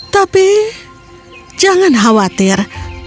tapi jangan khawatir